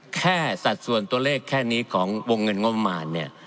สัดส่วนตัวเลขแค่นี้ของวงเงินงบประมาณเนี่ย